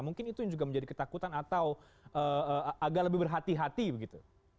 mungkin itu yang juga menjadi ketakutan atau agak lebih berhati hati begitu